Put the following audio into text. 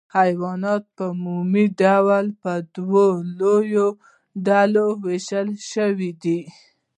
حیوانات په عمومي ډول په دوو لویو ډلو ویشل شوي دي